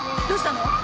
どうしたの？